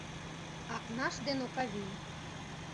АКНАШ ДЕН ОКАВИЙ